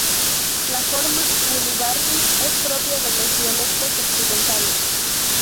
La forma "Ulibarri" es propia de los dialectos occidentales.